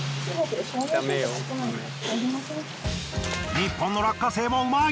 日本の落花生もうまい。